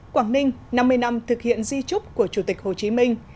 quảng ninh năm mươi năm thực hiện di trúc của chủ tịch hồ chí minh